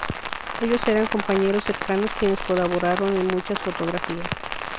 Ellos eran compañeros cercanos quienes colaboraron en muchas fotografías.